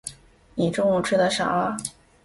你中午吃的啥啊？